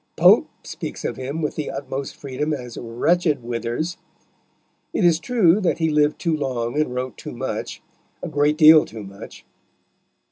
Pope speaks of him with the utmost freedom as "wretched Withers." It is true that he lived too long and wrote too much a great deal too much.